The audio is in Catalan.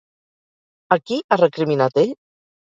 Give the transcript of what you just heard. A qui ha recriminat ell?